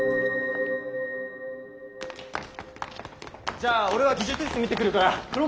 じゃあ俺は技術室見てくるから黒川は。